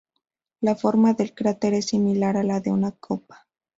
La forma del cráter es similar a la de una copa.